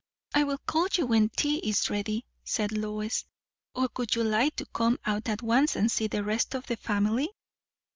"I will call you when tea is ready," said Lois. "Or would you like to come out at once, and see the rest of the family?"